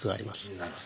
なるほど。